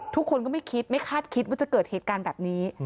ทุกคนก็ไม่คิดไม่คาดคิดว่าจะเกิดเหตุการณ์แบบนี้